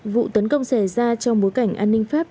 vụ tấn công xảy ra trong bối cảnh an ninh pháp